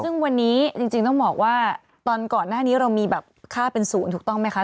ซึ่งวันนี้จริงต้องบอกว่าตอนก่อนหน้านี้เรามีแบบค่าเป็นศูนย์ถูกต้องไหมคะ